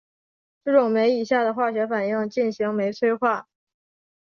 这种酶以下的化学反应进行酶催化。